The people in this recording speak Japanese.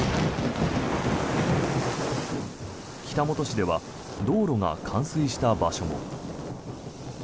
北本市では道路が冠水した場所も。